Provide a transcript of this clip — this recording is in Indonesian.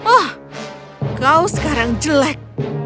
oh kau sekarang jelek